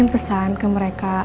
kirim pesan ke mereka